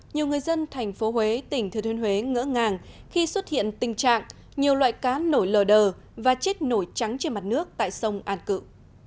nhiều người dân thành phố huế tỉnh thừa thiên huế ngỡ ngàng khi xuất hiện tình trạng nhiều loại cá nổi lờ đờ và chết nổi trắng trên mặt nước tại sông an cự